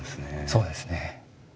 そうですね。